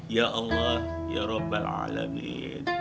ya allah ya rabbal alamin